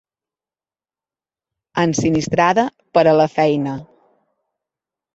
Ensinistrada per a la feina.